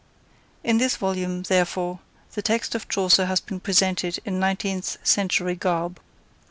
In this volume, therefore, the text of Chaucer has been presented in nineteenth century garb.